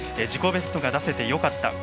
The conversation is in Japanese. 自己ベストが出せてよかった。